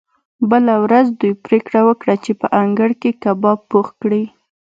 بله ورځ دوی پریکړه وکړه چې په انګړ کې کباب پخ کړي